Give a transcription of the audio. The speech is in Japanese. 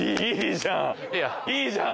じいいいじゃん！